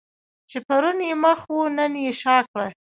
چې پرون یې مخ وو نن یې شا کړه.